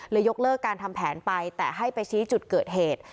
ยกเลิกการทำแผนไปแต่ให้ไปชี้จุดเกิดเหตุ